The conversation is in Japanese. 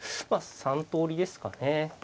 まあ３通りですかね。